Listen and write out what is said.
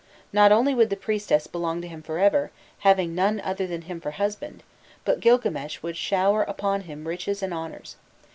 Not only would the priestess belong to him for ever, having none other than him for husband, but Gilgames would shower upon him riches and honours.